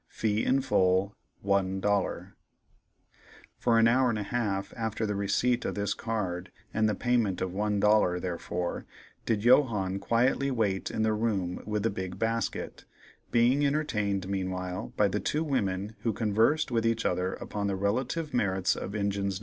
Fee in full, $1. |++ For an hour and a half after the receipt of this card and the payment of $1 therefor, did Johannes quietly wait in the room with the big basket, being entertained meanwhile by the two women who conversed with each other upon the relative merits of engines No.